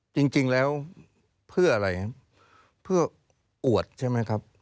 จริงแล้วเพื่ออะไรครับเพื่ออวดใช่ไหมครับ